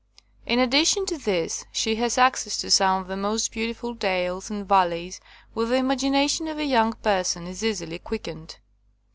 In addition to this she has access to some of the most beau tiful dales and valleys, where the imagina tion of a young person is easily quickened.